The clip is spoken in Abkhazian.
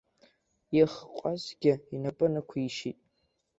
Их ҟәазгьы инапы нықәишьит.